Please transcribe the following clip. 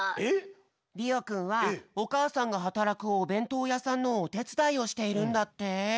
りおくんはおかあさんがはたらくおべんとうやさんのおてつだいをしているんだって。